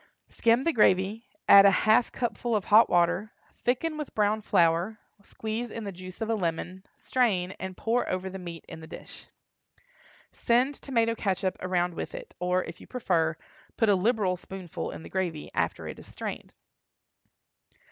Skim the gravy, add a half cupful of hot water, thicken with brown flour, squeeze in the juice of a lemon, strain, and pour over the meat in the dish. Send tomato catsup around with it, or if you prefer, put a liberal spoonful in the gravy, after it is strained.